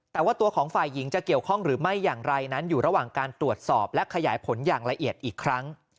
แต่ว่าตัวของฝ่ายหญิงจะเกี่ยวข้องหรือไม่อย่างไรนั้นอยู่ระหว่างการตรวจสอบและขยายผลอย่างละเอียดอีกครั้ง